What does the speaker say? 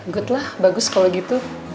good lah bagus kalau gitu